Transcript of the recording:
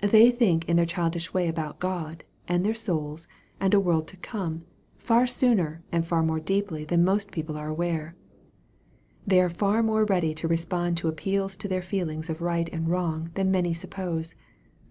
They think in their childish way about God, and their souls, and a world to come, far sooner and far more deeply than most people are aware. They are far more ready to respond to appeals to their feeling of right and wrong than many suppose.